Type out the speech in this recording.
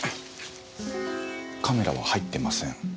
カメラは入ってません。